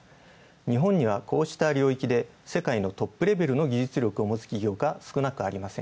日本には、こうした領域で世界のトップレベルが少なくありません。